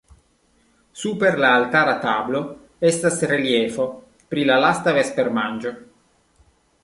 Super la altara tablo estas reliefo pri la Lasta vespermanĝo.